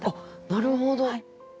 なるほど。